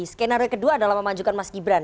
skenario kedua adalah memajukan mas gibran